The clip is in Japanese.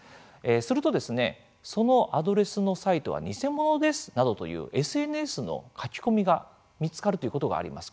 すると、そのアドレスのサイトは偽物ですなどというＳＮＳの書き込みが見つかるということがあります。